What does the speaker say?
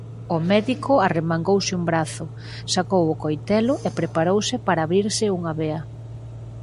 O médico arremangouse un brazo, sacou o coitelo e preparouse para abrirse unha vea.